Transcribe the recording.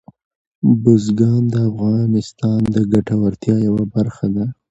بزګان د افغانانو د ګټورتیا یوه برخه ده.